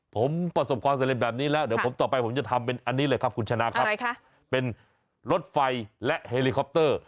ผมประสบความสำเร็จแบบนี้แล้วเดี๋ยวผมต่อไปผมจะทำเป็นอันนี้เลยครับคุณชนะครับเป็นรถไฟและเฮลิคอปเตอร์